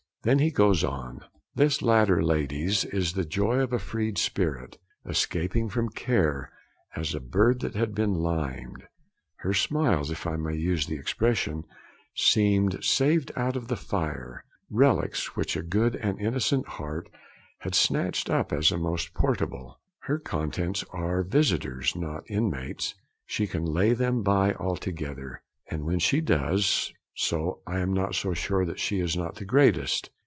Then he goes on: 'This latter lady's is the joy of a freed spirit, escaping from care, as a bird that had been limed; her smiles, if I may use the expression, seemed saved out of the fire, relics which a good and innocent heart had snatched up as most portable; her contents are visitors, not inmates: she can lay them by altogether; and when she does so, I am not sure that she is not greatest.'